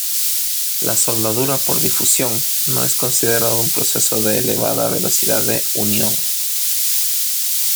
La soldadura por difusión no es considerada un proceso de elevada velocidad de unión.